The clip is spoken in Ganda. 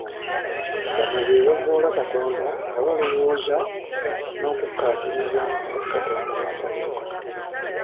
Bano be bavvoola Katonda nga balowooza n'okukkaatiriza nga Katonda bw'ataliiwo.